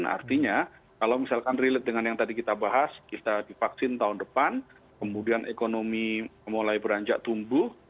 artinya kalau misalkan relate dengan yang tadi kita bahas kita divaksin tahun depan kemudian ekonomi mulai beranjak tumbuh